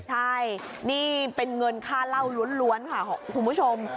ใช่นี่เป็นเงินค่าเหล้าล้วนค่ะคุณผู้ชม